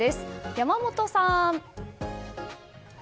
山本さん！